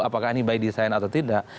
apakah ini by design atau tidak